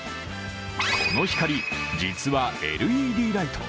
この光、実はＬＥＤライト。